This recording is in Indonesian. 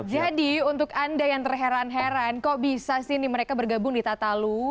jadi untuk anda yang terheran heran kok bisa sih ini mereka bergabung di tatalu